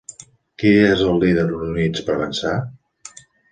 Qui és el líder d'Units per Avançar?